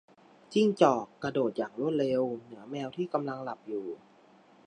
จิ้งจอก กระโดดอย่างรวดเร็ว เหนือแมวที่กำลังหลับอยู่